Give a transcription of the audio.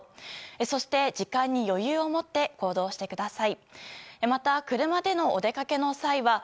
そして、時間に余裕を持って行動してください。